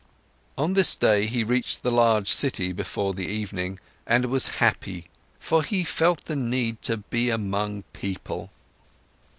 On this day, he reached the large city before the evening, and was happy, for he felt the need to be among people.